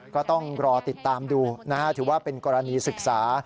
ก็ต้องรอติดตามดูนะฮะถือว่าเป็นกรณีศึกษา